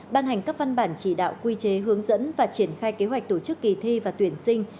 ban hành các văn bản chỉ đạo quy chế hướng dẫn và triển khai kế hoạch tổ chức kỳ thi và tuyển sinh